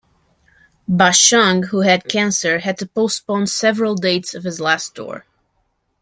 Bashung, who had cancer, had to postpone several dates of his last tour.